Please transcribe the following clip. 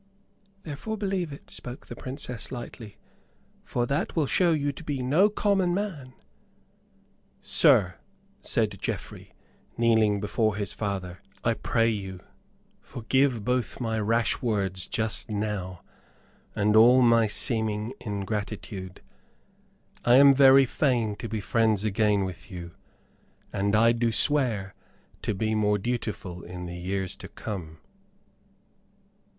"Therefore believe it," spoke the Princess, lightly; "for that will show you to be no common man." "Sir," said Geoffrey, kneeling before his father, "I pray you forgive both my rash words just now and all my seeming ingratitude. I am very fain to be friends again with you, and I do swear to be more dutiful in the years to come.